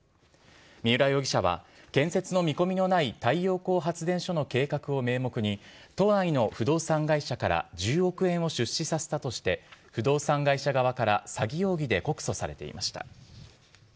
三浦容疑者は、建設の見込みのない太陽光発電所の計画を名目に、都内の不動産会社から１０億円を出資させたとして、不動産会社側から詐欺容疑で告訴されていました。